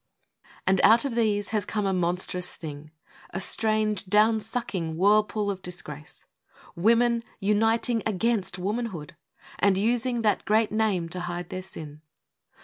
And out of these has come a monstrous thing, A strange, down sucking whirlpool of disgrace, Women uniting against womanhood, And using that great name to hide their sin!